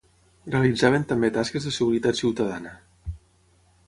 Realitzaven també tasques de seguretat ciutadana.